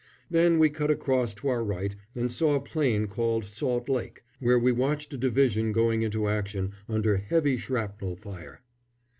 Then we cut across to our right and saw a plain called Salt Lake, where we watched a division going into action under heavy shrapnel fire.